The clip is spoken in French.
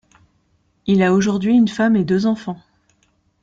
Il a aujourd'hui une femme et deux enfants.